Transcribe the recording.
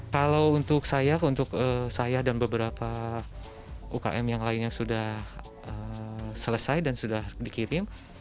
kalau untuk saya untuk saya dan beberapa ukm yang lainnya sudah selesai dan sudah dikirim